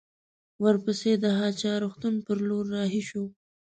ورپسې د هه چه روغتون پر لور رهي شوو.